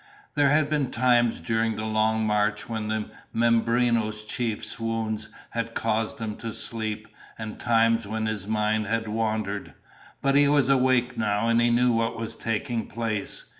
There had been times during the long march when the Mimbreno chief's wound had caused him to sleep, and times when his mind had wandered. But he was awake now and he knew what was taking place.